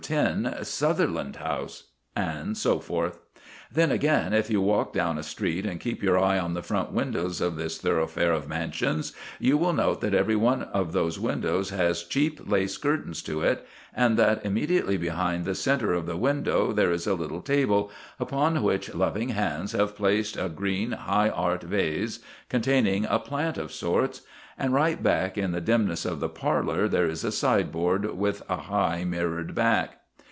10, Sutherland House; and so forth. Then, again, if you walk down a street and keep your eye on the front windows of this thoroughfare of mansions, you will note that every one of those windows has cheap lace curtains to it, and that immediately behind the centre of the window there is a little table, upon which loving hands have placed a green high art vase, containing a plant of sorts. And right back in the dimness of the parlour there is a sideboard with a high mirrored back.